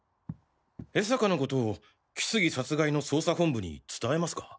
江坂のことを木杉殺害の捜査本部に伝えますか？